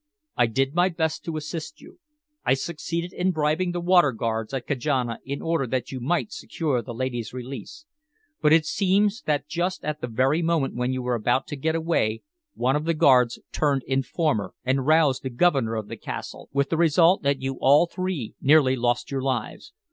I did my best to assist you. I succeeded in bribing the water guards at Kajana in order that you might secure the lady's release. But it seems that just at the very moment when you were about to get away one of the guards turned informer and roused the governor of the castle, with the result that you all three nearly lost your lives.